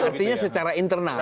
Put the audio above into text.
artinya secara internal